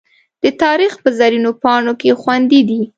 د تاریخ په زرینو پاڼو کې خوندي دي.